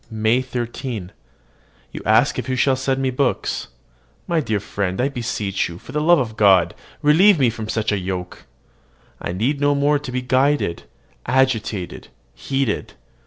MAY 13. You ask if you shall send me books. My dear friend, I beseech you, for the love of God, relieve me from such a yoke! I need no more to be guided, agitated, heated.